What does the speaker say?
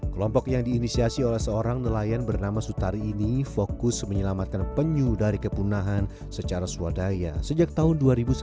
kelompok yang diinisiasi oleh seorang nelayan bernama sutari ini fokus menyelamatkan penyu dari kepunahan secara swadaya sejak tahun dua ribu sembilan